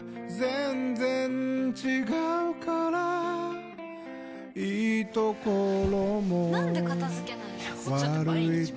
全然違うからいいところもなんで片付けないの？